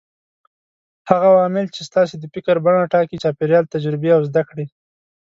هغه عوامل چې ستاسې د فکر بڼه ټاکي: چاپېريال، تجربې او زده کړې.